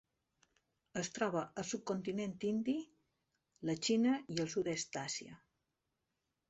Es troba al subcontinent indi, la Xina i el sud-est d'Àsia.